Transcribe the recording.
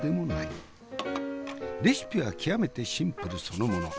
レシピは極めてシンプルそのもの。